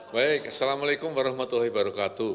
baik assalamu'alaikum warahmatullahi wabarakatuh